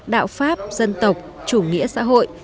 đạo pháp dân tộc chủ nghĩa xã hội